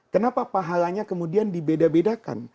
kenapa pahalanya kemudian dibeda bedakan